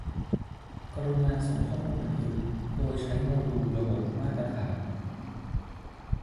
กรุณาส่งข้อมูลบันทึกโดยใช้โมดูลระบบมาตรฐาน